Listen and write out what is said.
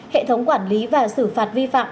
hệ thống quản lý và xử phạt vi phạm